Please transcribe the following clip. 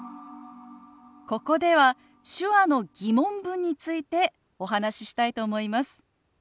ここでは手話の疑問文についてお話ししたいと思います。